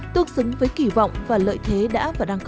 tương xứng với kỳ vọng và lợi thế đã và đang có